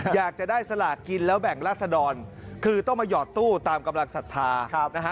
อยากจะได้สลากกินแล้วแบ่งราศดรคือต้องมาหยอดตู้ตามกำลังศรัทธานะฮะ